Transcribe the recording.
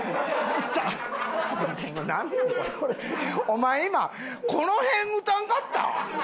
お前今この辺打たんかった？